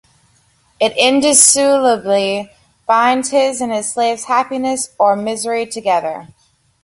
It indissolubly binds his, and his slaves happiness or misery together.